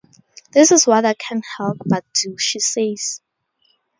This is what I can't help but do, she says.